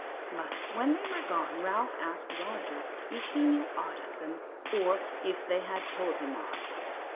But when they were gone Ralph asked Roger if he knew aught of them, or if they had told him aught.